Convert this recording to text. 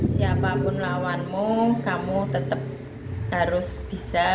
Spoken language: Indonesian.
siapapun lawanmu kamu tetap harus bisa